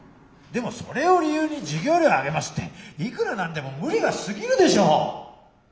でもそれを理由に授業料上げますっていくら何でも無理が過ぎるでしょ？